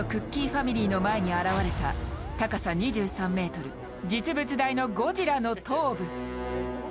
ファミリーの前に現れた高さ２３ｍ、実物大のゴジラの頭部。